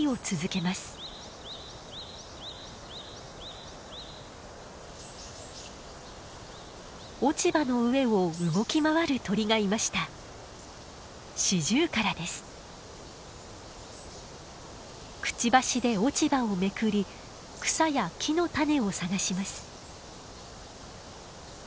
くちばしで落ち葉をめくり草や木の種を探します。